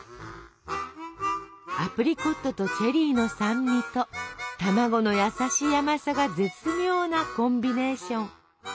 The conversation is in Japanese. アプリコットとチェリーの酸味と卵の優しい甘さが絶妙なコンビネーション。